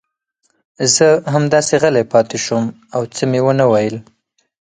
زه همداسې غلی پاتې شوم او څه مې ونه ویل.